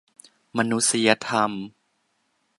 มนุษยธรรม ?